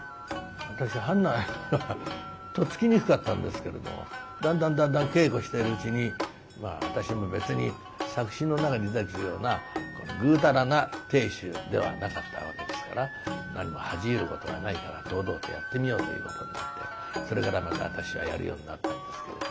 私とっつきにくかったんですけれどもだんだんだんだん稽古してるうちにまあ私も別に作品の中に出てくるようなぐうたらな亭主ではなかったわけですから何も恥じ入ることはないから堂々とやってみようということでもってそれからまた私はやるようになったんですけれども。